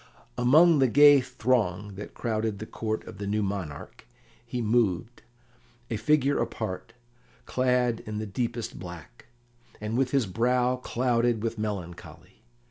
Among the gay throng that crowded the Court of the new monarch he moved, a figure apart, clad in the deepest black, and with his brow clouded with melancholy.